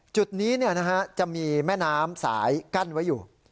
จุดนี้จะมีแม่น้ำสายกั้นไว้อยู่